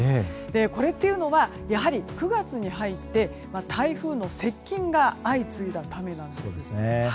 これっていうのはやはり９月に入って台風の接近が相次いだためなんです。